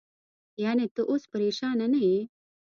یعنې، ته اوس پرېشانه نه یې؟